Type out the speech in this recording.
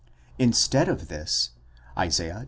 Instead of this, Isa, 1.